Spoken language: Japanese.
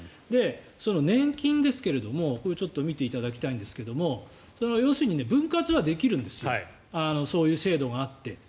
その年金ですが、ちょっと見ていただきたいんですが要するに分割はできるんですそういう制度があって。